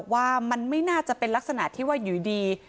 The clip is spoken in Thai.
ว่ามันไม่น่าจะเป็นลักษณะที่ว่าอยู่ดี